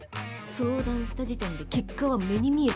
相談した時点で結果は目に見えてる。